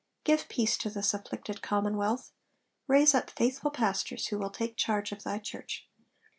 Give peace to this afflicted commonwealth. Raise up faithful pastors who will take charge of Thy Church.